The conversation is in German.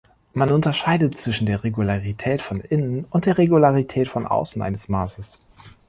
Man unterscheidet zwischen der Regularität von innen und der Regularität von außen eines Maßes.